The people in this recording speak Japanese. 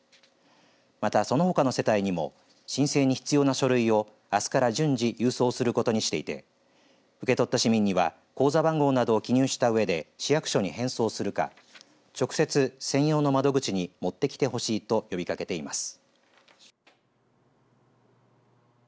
また、そのほかの世帯にも申請に必要な書類をあすから順次郵送することにしていて受け取った市民には口座番号などを記入したうえで市役所に返送するか、直接専用の窓口に持ってきてほしいと呼びかけています。